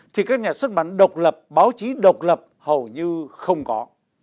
thì các nhà xuất bản độc lập báo chí độc lập hầu như không có